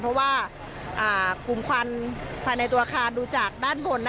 เพราะว่ากลุ่มควันภายในตัวอาคารดูจากด้านบน